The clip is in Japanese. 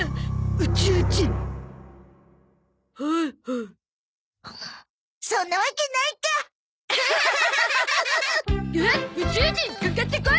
宇宙人かかってこい！